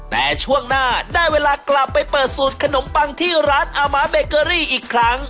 แต่ช่วงหน้าได้เวลากลับไปเปิดสูตรขนมปังที่ร้านอาม้าเบเกอรี่อีกครั้ง